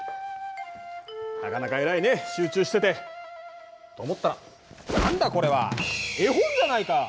集中しててと思ったら何だこれは？絵本じゃないか！